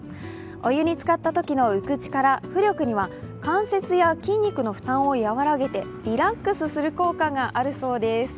お湯につかったときの浮く力浮力には関節や筋肉の負担を和らげてリラックスする効果があるそうです。